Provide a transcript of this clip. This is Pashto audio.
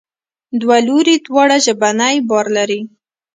دوه لوري دواړه ژبنی بار لري.